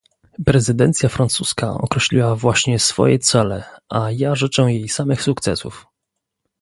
Prezydencja francuska określiła właśnie swoje cele, a ja życzę jej samych sukcesów